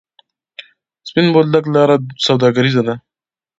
سپین بولدک لاره سوداګریزه ده؟